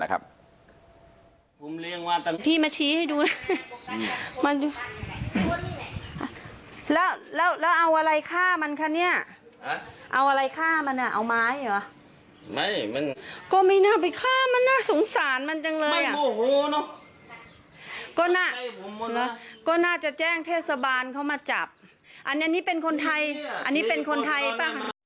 นะครับรายละเอียดเดี๋ยวเล่าให้ฟังไปดูคลิปที่เขาถ่ายไว้ได้ก่อนนะครับ